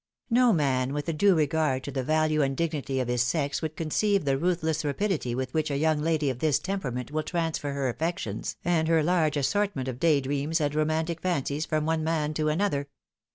No man with a due regard to the value and dignity of his sex could conceive the ruthless rapidity with which a young lady of this temperament will transfer her affections and her large assortment of day dreams and romantic fancies from one man to another.